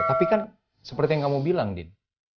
tapi kan seperti yang kamu bilang din